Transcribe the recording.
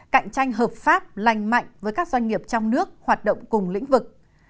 cạnh tranh hợp pháp lành mạnh với các doanh nghiệp trong nước hoạt động cùng lĩnh vực